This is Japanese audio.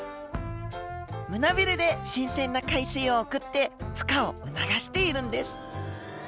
胸びれで新鮮な海水を送って孵化を促しているんです。